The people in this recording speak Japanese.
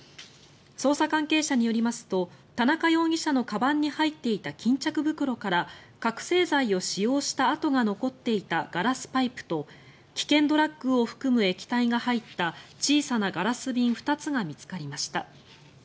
捜査関係者によりますと田中容疑者のかばんに入っていた巾着袋から覚醒剤を使用した跡が残っていたガラスパイプと危険ドラッグを含む液体が入った小さなガラス瓶２つが見つかりました。